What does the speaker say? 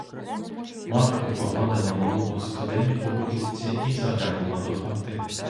Мавка погладила малу господиню по голівці і заглянула до хати.